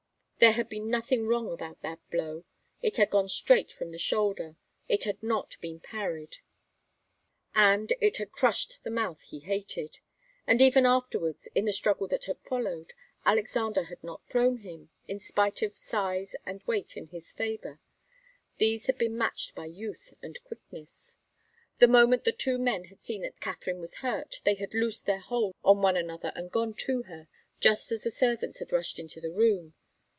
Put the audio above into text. There had been nothing wrong about that blow it had gone straight from the shoulder, it had not been parried, and it had crushed the mouth he hated. And even afterwards, in the struggle that had followed, Alexander had not thrown him, in spite of size and weight in his favour these had been matched by youth and quickness. The moment the two men had seen that Katharine was hurt, they had loosed their hold on one another and gone to her, just as the servants had rushed into the room.